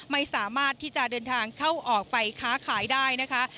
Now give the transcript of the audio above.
ไม่สามารถที่จะเดินทางเข้าออกไปค้าขายได้นะคะ